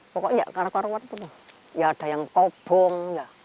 pokoknya karuan itu ada yang kobong